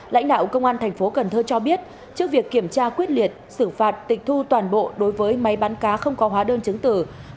lãnh đạo công an thành phố cần thơ cho biết trước việc kiểm tra quyết liệt xử phạt tịch thu toàn bộ đối với máy bán cá không có hóa đơn chứng tử